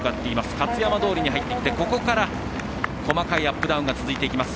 勝山通に入ってきて、ここから細かいアップダウンが続いていきます。